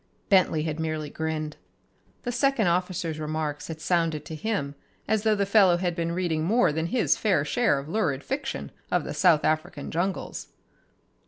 Bentley had merely grinned. The second officer's remarks had sounded to him as though the fellow had been reading more than his fair share of lurid fiction of the South African jungles.